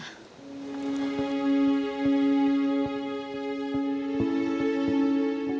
ทำงานชื่อนางหยาดฝนภูมิสุขอายุ๕๔ปี